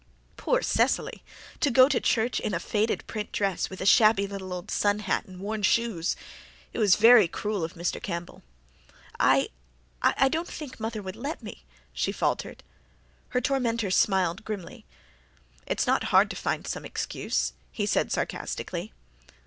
Poor Cecily! To go to church in a faded print dress, with a shabby little old sun hat and worn shoes! It was very cruel of Mr. Campbell. "I I don't think mother would let me," she faltered. Her tormentor smiled grimly. "It's not hard to find some excuse," he said sarcastically.